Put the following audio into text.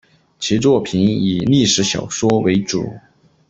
其作品以历史小说为主。